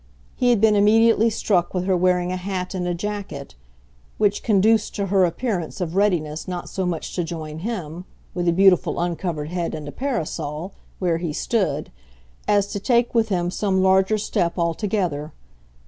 He had been immediately struck with her wearing a hat and a jacket which conduced to her appearance of readiness not so much to join him, with a beautiful uncovered head and a parasol, where he stood, as to take with him some larger step altogether.